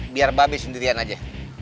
biar babi sendirian aja